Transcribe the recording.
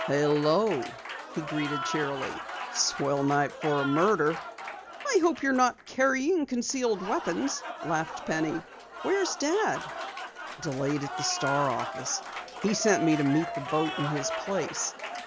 "Hello," he greeted cheerily. "Swell night for a murder." "I hope you're not carrying concealed weapons," laughed Penny. "Where's Dad?" "Delayed at the Star office. He sent me to meet the boat in his place.